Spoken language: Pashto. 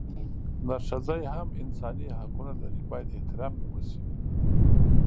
نرښځي هم انساني حقونه لري بايد احترام يې اوشي